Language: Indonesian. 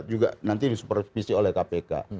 juga nanti disupervisi oleh kpk